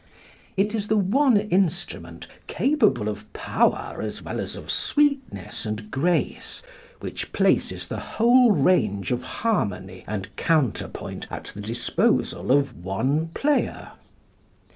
It is the one instrument capable of power as well as of sweetness and grace which places the whole range of harmony and counterpoint at the disposal of one player.